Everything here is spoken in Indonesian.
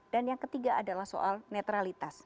dan yang ketiga adalah soal netralitas